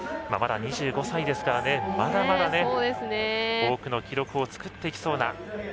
まだ２５歳ですから、まだまだ多くの記録を作っていきそうな。